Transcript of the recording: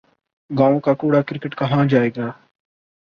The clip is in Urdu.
گاؤں کا کوڑا کرکٹ کہاں جائے گا۔